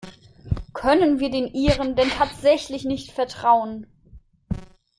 Können wir den Iren denn tatsächlich nicht vertrauen?